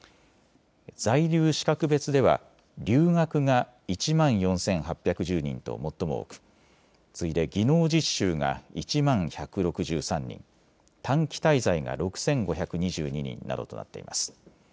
在留資格別では留学が１万４８１０人と最も多く次いで技能実習が１万１６３人、短期滞在が６５２２人などとなっています。